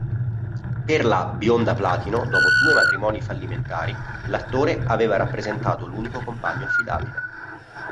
Per la "bionda platino", dopo due matrimoni fallimentari, l'attore aveva rappresentato l'unico compagno affidabile.